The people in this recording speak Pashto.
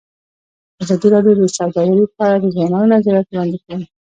ازادي راډیو د سوداګري په اړه د ځوانانو نظریات وړاندې کړي.